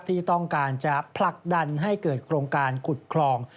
ที่ต้องการจะผลักดันให้เกิดโครงการขุดคลอง